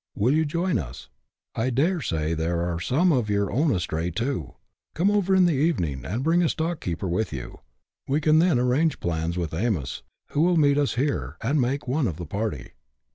Will you join us ? I dare say there are some of your own astray too. Come over in the evening, and bring a stock keeper with you. We can then arrange plans with " Amos," who will meet us here, and make one of the party.